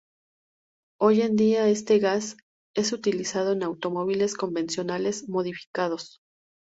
Hoy en día este gas es utilizado en automóviles convencionales modificados.